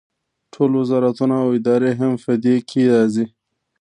ټول وزارتونه او ادارې هم په دې کې راځي.